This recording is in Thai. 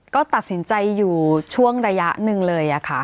ก็ตัดสินใจอยู่ช่วงระยะหนึ่งเลยค่ะ